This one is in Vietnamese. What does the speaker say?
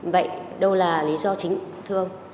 vậy đâu là lý do chính thưa ông